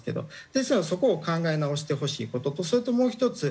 ですのでそこを考え直してほしい事とそれともう１つ。